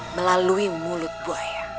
melalui mulut buaya